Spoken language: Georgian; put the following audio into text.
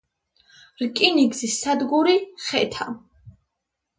რკინიგზის სადგური ხეთა.